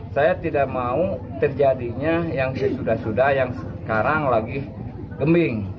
saya tidak mau terjadinya yang sudah sudah yang sekarang lagi geming